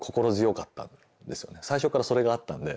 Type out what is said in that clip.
最初からそれがあったんで。